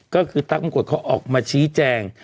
ก็คือตั๊กมงกฎเขาออกมาชี้แจง